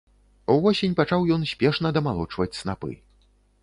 Увосень пачаў ён спешна дамалочваць снапы.